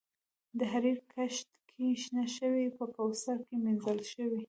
د حریر کښت کې شنه شوي په کوثر کې مینځل شوي